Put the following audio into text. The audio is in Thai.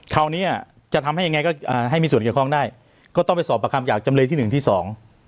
เขานะอย่างยังจะให้มีส่วนเกี่ยวข้องได้ก็ต้องไปสอบประคำจากจำเลที่หนึ่งและจำเลสอง